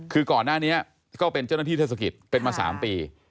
คือก่อนหน้านี้ก็เป็นเจ้าหน้าที่เทศกิจเป็นมา๓ปี